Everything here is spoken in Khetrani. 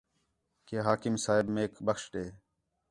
کہ حاکم صاحب میک بخش ݙے